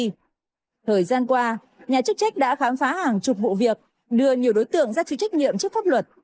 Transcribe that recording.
thời gian qua nhà chức trách đã khám phá hàng chục vụ việc đưa nhiều đối tượng ra chịu trách nhiệm trước pháp luật